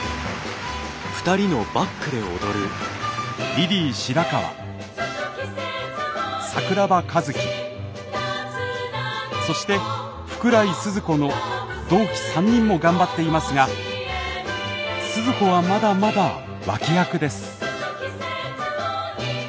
リリー白川桜庭和希そして福来スズ子の同期３人も頑張っていますがスズ子はまだまだ脇役です。